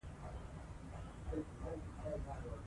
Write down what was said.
دوی د مصر په لور روانيږي.